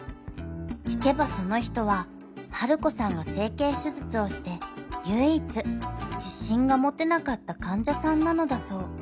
［聞けばその人はハルコさんが整形手術をして唯一自信が持てなかった患者さんなのだそう］